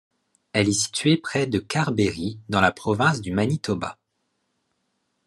Elle est située près de Carberry dans la province du Manitoba.